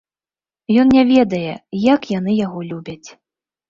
Ён не ведае, як яны яго любяць!